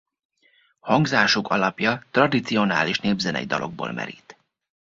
Hangzásuk alapja tradicionális népzenei dalokból merít.